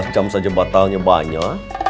dua belas jam saja batalnya banyak